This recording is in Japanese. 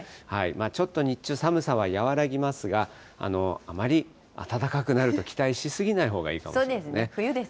ちょっと日中、寒さは和らぎますが、あまり暖かくなると期待し過ぎないほうがいいかもしれませんね。